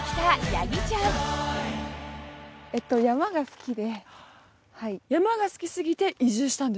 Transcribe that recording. やぎちゃん山が好きすぎて移住したんですか？